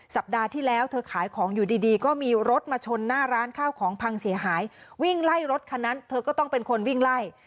สัปดาห์ที่แล้วเธอขายของอยู่ดีดีก็มีรถมาชนหน้าร้านข้าวของพังเสียหายวิ่งไล่รถคันนั้นเธอก็ต้องเป็นคนวิ่งไล่